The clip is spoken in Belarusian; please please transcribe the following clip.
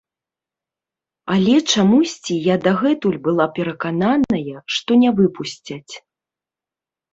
Але чамусьці я дагэтуль была перакананая, што не выпусцяць.